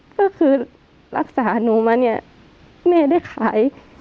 ก็คือรักษาหนูมาเนี่ยแม่ได้ขาย